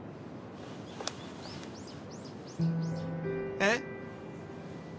えっ？